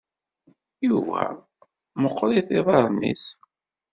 Yuba meqqrit yiḍarren-is?